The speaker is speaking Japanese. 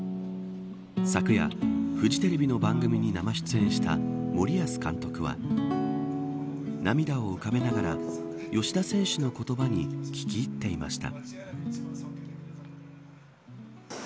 昨夜、フジテレビの番組に生出演した森保監督は涙を浮かべながら吉田選手の言葉に聞き入っていました。